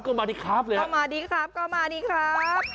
ก็มาดีครับก็มาดีครับ